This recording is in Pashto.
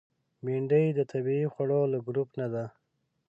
بېنډۍ د طبیعي خوړو له ګروپ نه ده